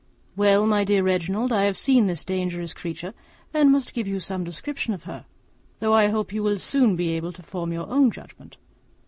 Well, my dear Reginald, I have seen this dangerous creature, and must give you some description of her, though I hope you will soon be able to form your own judgment.